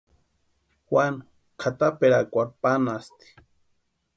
Juanu kʼataperakwarhu panhasti.